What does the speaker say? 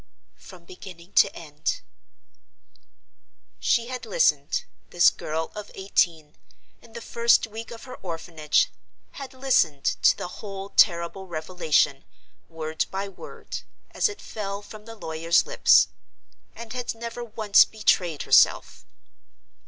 "From beginning to end." She had listened—this girl of eighteen, in the first week of her orphanage, had listened to the whole terrible revelation, word by word, as it fell from the lawyer's lips; and had never once betrayed herself!